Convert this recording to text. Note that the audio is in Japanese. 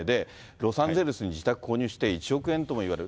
ロサンゼルスに自宅購入して、１億円ともいわれる。